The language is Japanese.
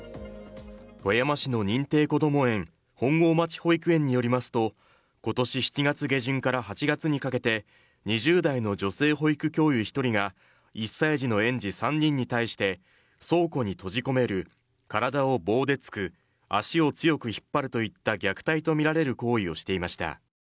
富山市の認定こども園本郷町保育園によりますと、今年７月下旬から８月にかけて２０代の女性保育教諭１人が１歳児の園児３人に対して倉庫に閉じ込める、体を棒で突く、足を強く引っ張るといった虐待とみられる行為をしていました。